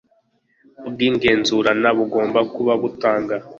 bw igenzurana bugomba kuba butanga